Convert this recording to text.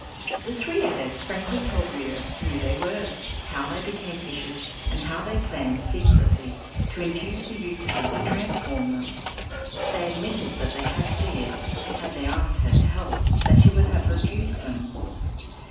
The three Adepts frankly told Reera who they were, how they became fishes and how they had planned secretly to induce the Yookoohoo to transform them. They admitted that they had feared, had they asked her to help, that she would have refused them.